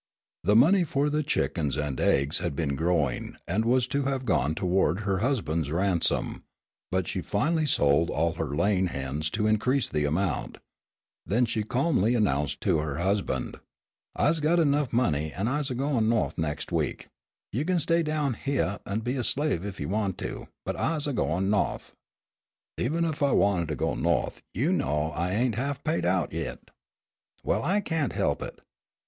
The money for the chickens and eggs had been growing and was to have gone toward her husband's ransom, but she finally sold all her laying hens to increase the amount. Then she calmly announced to her husband: "I's got money enough an' I's a goin' Nawth next week. You kin stay down hyeah an' be a slave ef you want to, but I's a goin' Nawth." "Even ef I wanted to go Nawth you know I ain' half paid out yit." "Well, I can't he'p it.